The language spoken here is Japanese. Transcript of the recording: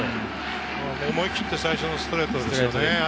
思い切って、最初のストレートでしょうね。